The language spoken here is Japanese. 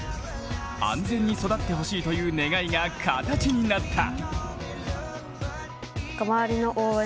安全に育ってほしいという願いが形になった。